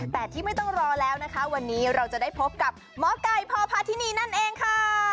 แต่ที่ไม่ต้องรอแล้วนะคะวันนี้เราจะได้พบกับหมอไก่พอพาทินีนั่นเองค่ะ